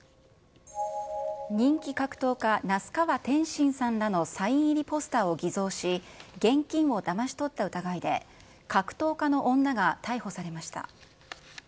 人気格闘家、那須川天心さんらのサイン入りポスターを偽造し、現金をだまし取った疑いで、格闘家の女が逮捕されました。